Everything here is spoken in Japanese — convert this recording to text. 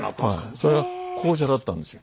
それが紅茶だったんですよ。